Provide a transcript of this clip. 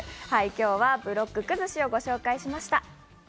今日はブロック崩しをご紹介しました。